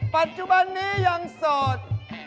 ปัจจุบันนี้ยังโสด